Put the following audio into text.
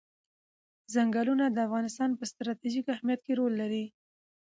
چنګلونه د افغانستان په ستراتیژیک اهمیت کې رول لري.